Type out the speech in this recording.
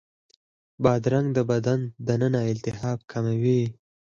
بادرنګ د بدن دننه التهاب کموي.